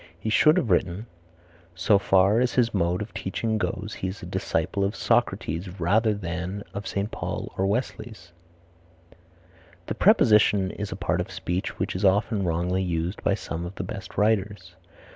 He should have written, " So far as his mode of teaching goes he is a disciple of Socrates rather than of St. Paul or Wesley." The preposition is a part of speech which is often wrongly used by some of the best writers.